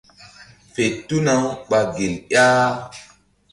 Fe tuna-u ɓa gel ƴah.